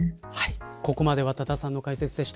ここまでは多田さんの解説でした。